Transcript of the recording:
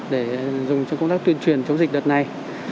để dùng cho công tác tuyên truyền chống dịch đợt này